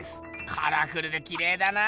カラフルできれいだな。